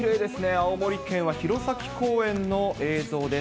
青森県は弘前公園の映像です。